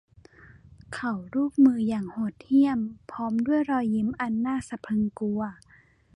เขาลูบมืออย่างโหดเหี้ยมพร้อมด้วยรอยยิ้มอันน่าสะพรึงกลัว